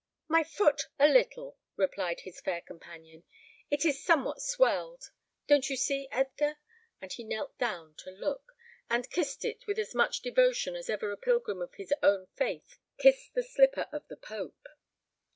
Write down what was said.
"My foot a little," replied his fair companion; "it is somewhat swelled; don't you see, Edgar?" And he knelt down to look, and kissed it with as much devotion as ever a pilgrim of his own faith kissed the slipper of the pope.